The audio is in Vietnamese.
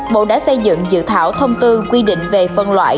bộ đã xây dựng dự thảo thông tư quy định về phân loại